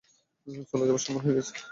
চলে যাওয়ার সময় হয়ে গেছে।